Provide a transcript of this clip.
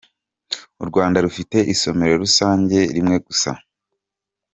U Rwanda rufite isomero rusage rimwe gusa.